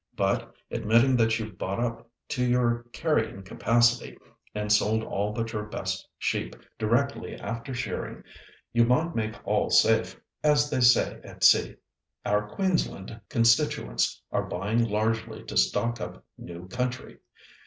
But, admitting that you bought up to your carrying capacity, and sold all but your best sheep directly after shearing, you might make all safe, as they say at sea. Our Queensland constituents are buying largely to stock up new country.